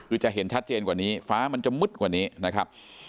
คือจะเห็นชัดเจนกว่านี้ฟ้ามันจะมืดกว่านี้นะครับ